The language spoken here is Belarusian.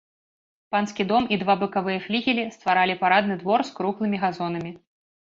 Панскі дом і два бакавыя флігелі стваралі парадны двор з круглымі газонамі.